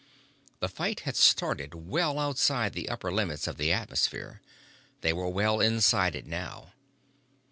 The fight had started well outside the upper limits of the atmosphere. They were well inside it now.